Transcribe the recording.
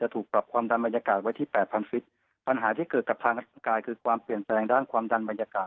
ถูกปรับความดันบรรยากาศไว้ที่แปดพันฟิตปัญหาที่เกิดกับทางกายคือความเปลี่ยนแปลงด้านความดันบรรยากาศ